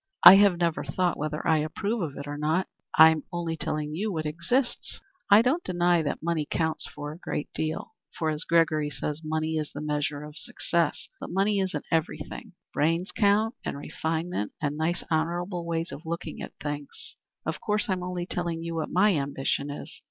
"I have never thought whether I approve of it or not. I am only telling you what exists. I don't deny that money counts for a great deal, for, as Gregory says, money is the measure of success. But money isn't everything. Brains count and refinement, and nice honorable ways of looking at things. Of course, I'm only telling you what my ambition is.